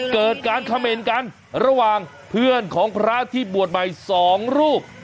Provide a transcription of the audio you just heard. เกิดการเขม่นกันระหว่างเพื่อนของพระที่บวชใหม่๒รูป